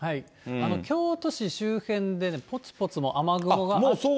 京都市周辺でぽつぽつ雨雲があって。